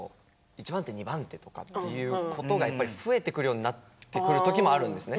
１番手、２番手とかいうことが増えてくるようになってくる時もあるんですね。